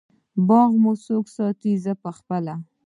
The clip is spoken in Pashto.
باغ مو څوک ساتی؟ زه پخپله